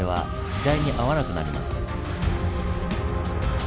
時代に合わなくなります。